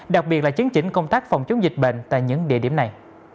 đặc biệt là chấn chỉnh công tác phòng chống dịch bệnh tại những địa điểm này